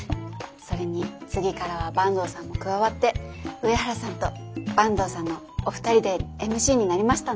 それに次からは坂東さんが加わって上原さんと坂東さんのお二人でＭＣになりましたんで。